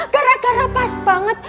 gara gara pas banget